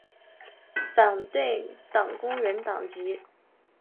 反对党工人党籍。